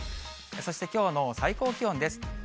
そしてきょうの最高気温です。